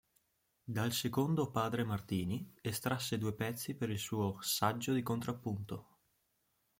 Dal secondo Padre Martini estrasse due pezzi per il suo "Saggio di Contrappunto".